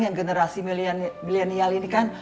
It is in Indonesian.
yang generasi milenial ini kan